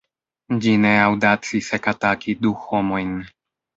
Ĝi ne aŭdacis ekataki du homojn.